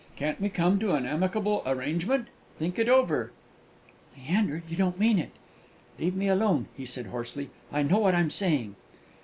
Can't we come to an amicable arrangement? Think it over!" "Leander, you can't mean it!" cried Matilda. "You leave me alone," he said hoarsely; "I know what I'm saying!"